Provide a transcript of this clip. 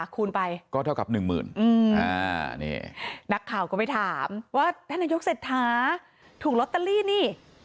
คูณไปก็เท่ากับ๑๐๐๐๐บาทนักข่าวก็ไปถามว่าท่านนายกรัฐมนตรีเศรษฐาถูกลอตเตอรี่นี่